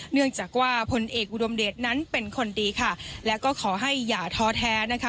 เนื่องจากว่าพลเอกอุดมเดชนั้นเป็นคนดีค่ะแล้วก็ขอให้อย่าท้อแท้นะคะ